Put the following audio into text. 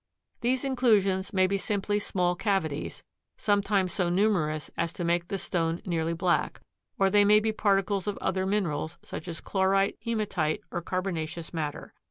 These inclusions may be simply small cavities, sometimes so numerous as to make the stone nearly black, or they may be particles of other minerals, such as chlorite, hematite or carbonaceous matter.